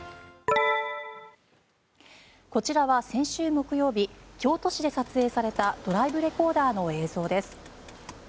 こちらは先週木曜日京都市で撮影されたドライブレコーダーの映像です。